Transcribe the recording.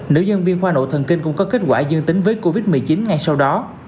nữ nhân viên khoa nội thần kinh cũng có kết quả dương tính với covid một mươi chín ngay sau đó